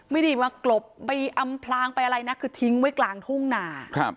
ไม่ได้มากลบไปอำพลางไปอะไรนะคือทิ้งไว้กลางทุ่งนา